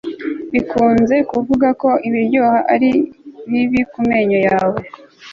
Bikunze kuvugwa ko ibiryoha ari bibi kumenyo yawe